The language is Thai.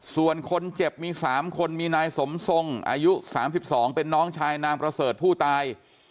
ส่วนคนเจ็บมี๓คนมีนายสมทรงอายุ๓๒เป็นน้องชายนางประเสริฐผู้ตาย